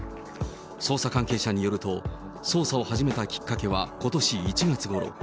捜査関係者によると、捜査を始めたきっかけはことし１月ごろ。